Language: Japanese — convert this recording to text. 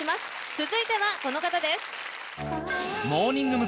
続いてはこの方です。